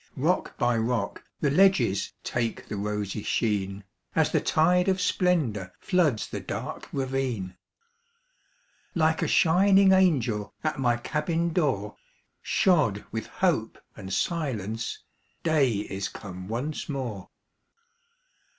Rock by rock the ledges Take the rosy sheen, As the tide of splendor Floods the dark ravine. Like a shining angel At my cabin door, Shod with hope and silence, Day is come once more.